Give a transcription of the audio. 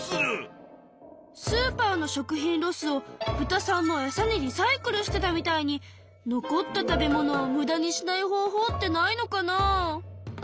スーパーの食品ロスを豚さんのエサにリサイクルしてたみたいに残った食べ物をムダにしない方法ってないのかなあ？